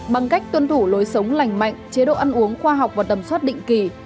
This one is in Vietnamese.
bằng cách tuân thủ lối sống lành mạnh chế độ ăn uống khoa học và tầm soát định kỳ